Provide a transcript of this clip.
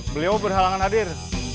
beliau berhalangan hadir